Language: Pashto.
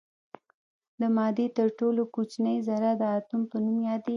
د مادې تر ټولو کوچنۍ ذره د اتوم په نوم یادیږي.